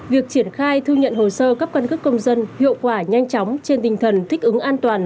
việc triển khai thư nhận hồ sơ cấp căn cước công dân hiệu quả nhanh chóng trên tinh thần thích ứng an toàn